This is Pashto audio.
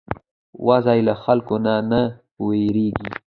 وزې له خلکو نه نه وېرېږي